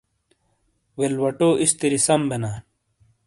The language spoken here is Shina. ویلوَاٹو اِستِری سَم بینا۔